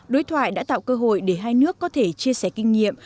đối thoại đã tạo cơ hội để hai nước có thể chia sẻ kinh nghiệm